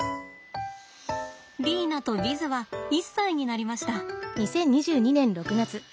リーナとヴィズは１歳になりました。